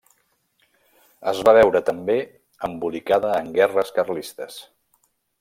Es va veure també embolicada en Guerres Carlistes.